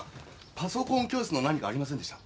パソコン教室の何かありませんでした？